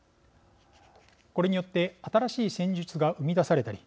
これによって新しい戦術が生み出されたり